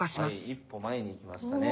一歩前に行きましたね